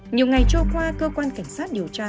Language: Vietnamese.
nhiều ngày trôi qua cơ quan cảnh sát điều tra